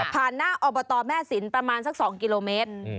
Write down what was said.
หน้าอบตแม่สินประมาณสัก๒กิโลเมตร